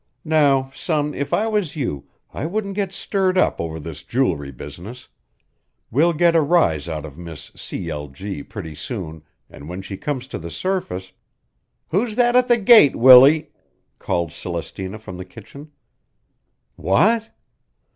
Now, son, if I was you, I wouldn't get stirred up over this jewelry business. We'll get a rise out of Miss C. L. G. pretty soon an' when she comes to the surface " "Who's that at the gate, Willie?" called Celestina from the kitchen. "What?"